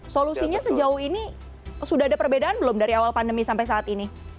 solusinya sejauh ini sudah ada perbedaan belum dari awal pandemi sampai saat ini